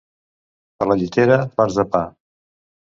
A la Llitera, farts de pa.